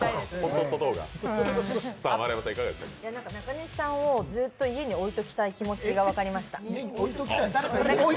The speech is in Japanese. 中西さんをずっと家に置いておきたい気持ちが分かりました。